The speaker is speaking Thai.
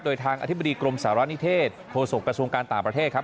โดยทางอธิบดีกรมสารณิเทศโฆษกระทรวงการต่างประเทศครับ